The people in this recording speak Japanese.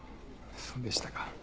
そうでしたか。